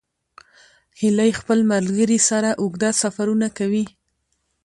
هیلۍ خپل ملګري سره اوږده سفرونه کوي